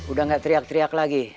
udah gak teriak teriak lagi